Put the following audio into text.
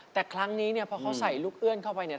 แต่ครั้งนี้เนี่ยพอเขาใส่ลูกเอื้อนเข้าไปเนี่ย